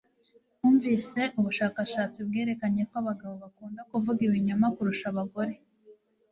Numvise ubushakashatsi bwerekanye ko abagabo bakunda kuvuga ibinyoma kurusha abagore